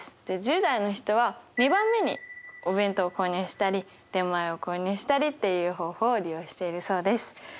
で１０代の人は２番目にお弁当を購入したり出前を購入したりっていう方法を利用しているそうです。